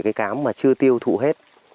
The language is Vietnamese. cái cám mà chưa tiêu thụ hết